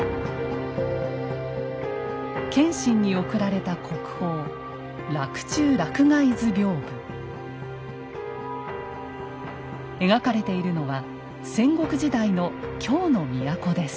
謙信に贈られた国宝描かれているのは戦国時代の京の都です。